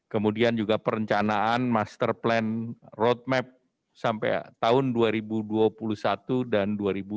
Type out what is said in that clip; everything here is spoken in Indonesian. kemudian juga perencanaan master plan roadmap sampai tahun dua ribu dua puluh satu dan dua ribu dua puluh